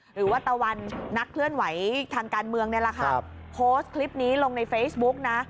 หรือว่าตะวันนักเคลื่อนไหวทางการเมืองนี่แหละค่ะโพสต์คลิปนี้ลงในเฟซบุ๊กนะ